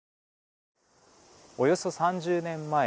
およそ３０年前。